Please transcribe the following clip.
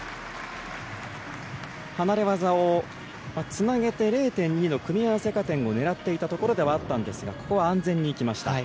離れ技をつなげて０．２の組み合わせ加点を狙っていたところではあったんですがここは安全にいきました。